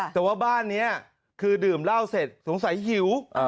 แต่ว่าบ้านนี้คือดื่มเหล้าเสร็จสงสัยหิว